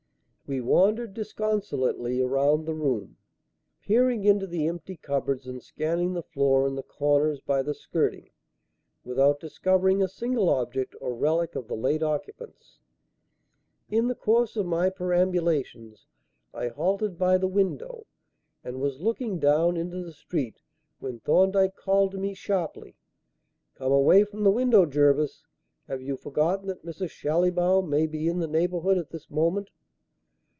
We wandered disconsolately round the room, peering into the empty cupboards and scanning the floor and the corners by the skirting, without discovering a single object or relic of the late occupants. In the course of my perambulations I halted by the window and was looking down into the street when Thorndyke called to me sharply: "Come away from the window, Jervis! Have you forgotten that Mrs. Schallibaum may be in the neighbourhood at this moment?"